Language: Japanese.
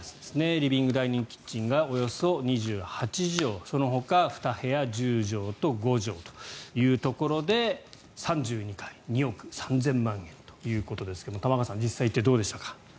リビングダイニングキッチンがおよそ２８畳そのほか２部屋１０畳と５畳というところで３２階、２億３０００万円ということですが玉川さん、実際に行ってどうでしたか？